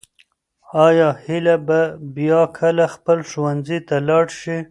آیا هیله به بیا کله خپل ښوونځي ته لاړه شي؟